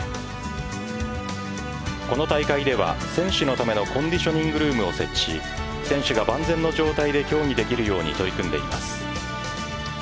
この大会では選手のためのコンディショニングルームを設置し選手が万全の状態で競技できるように取り組んでいます。